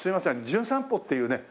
『じゅん散歩』っていうね